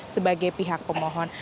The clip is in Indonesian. sebagai pihak pemohon